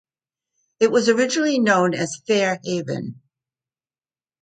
It was originally known as Fair Haven.